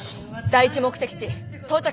第一目的地到着！